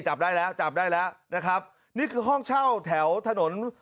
จับได้แล้วจับได้แล้วนะครับนี่คือห้องเช่าแถวถนน